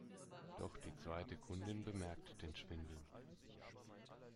Doch die zweite Kundin bemerkt den Schwindel.